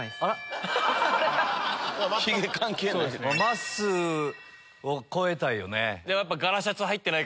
まっすーを超えたいよね。